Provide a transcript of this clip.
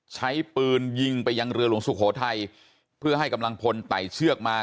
ใช้ปืนยิงไปยังเรือหลวงสุโขทัยเพื่อให้กำลังพลไต่เชือกมา